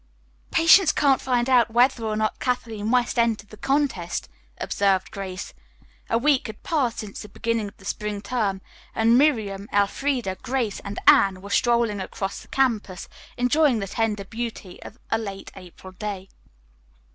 "Patience can't find out whether or not Kathleen West entered the contest," observed Grace. A week had passed since the beginning of the spring term, and Miriam, Elfreda, Grace and Anne were strolling across the campus enjoying the tender beauty of a late April day.